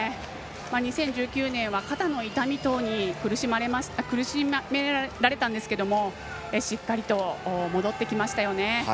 ２０１９年は肩の痛み等に苦しめられたんですけどもしっかりと戻ってきましたね。